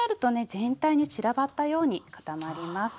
全体に散らばったように固まります。